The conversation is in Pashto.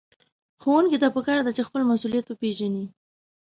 ښوونکي ته پکار ده چې خپل مسؤليت وپېژني.